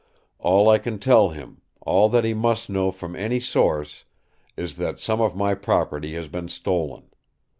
All I can tell him, all that he must know from any source, is that some of my property has been stolen.